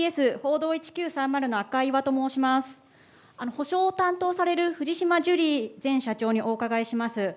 補償を担当される藤島ジュリー前社長にお伺いします。